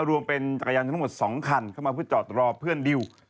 รวมเป็นจักรยานทั้งหมด๒คันเข้ามาเพื่อจอดรอเพื่อนดิว